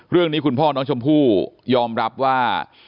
เรื่องนี้คุณพ่อน้องชมพู่ยอมรับว่า